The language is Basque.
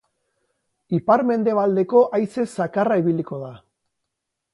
Ipar-mendebaldeko haize zakarra ibiliko da.